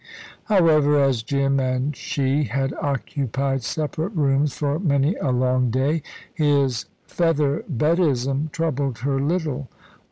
However, as Jim and she had occupied separate rooms for many a long day, his featherbedism troubled her little.